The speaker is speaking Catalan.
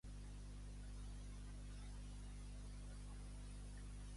Què va ocórrer amb la mort de Cleòmenes?